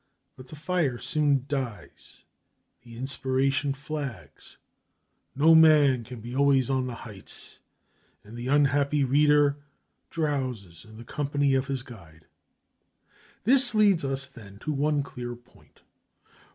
But the fire soon dies, the inspiration flags, "no man can be always on the heights," and the unhappy reader drowses in the company of his guide. This leads us then to one clear point.